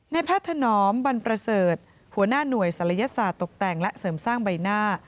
แพทย์ถนอมบันประเสริฐหัวหน้าหน่วยศัลยศาสตร์ตกแต่งและเสริมสร้างใบหน้า